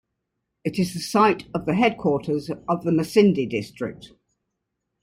It is the site of the headquarters of the Masindi District.